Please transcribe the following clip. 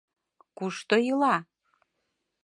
Кушто ила?